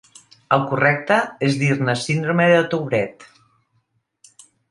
El correcte és dir-ne síndrome de Tourette.